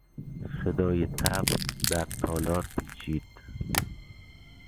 صدای طبل در تالار پیچید.